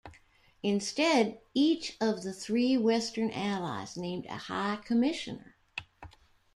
Instead each of the three Western allies named a High Commissioner.